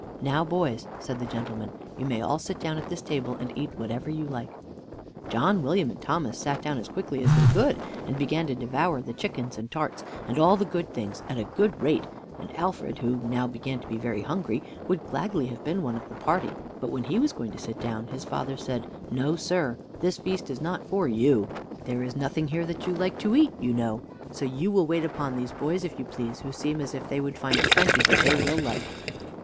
"Now, boys," said the gentleman, "you may all sit down to this table and eat whatever you like." John, William, and Thomas sat down as quickly as they could, and began to devour the chickens and tarts, and all the good things, at a great rate; and Alfred, who now began to be very hungry, would gladly have been one of the party; but when he was going to sit down, his father said: "No, sir; this feast is not for you. There is nothing here that you like to eat, you know; so you will wait upon these boys, if you please, who seem as if they would find plenty that they will like."